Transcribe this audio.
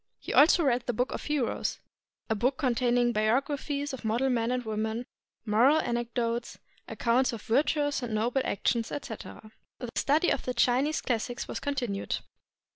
He also read the "Book of Heroes" — a book containing biographies of model men and women, moral anecdotes, accounts of virtuous and noble actions, etc. The study of the Chinese classics was continued.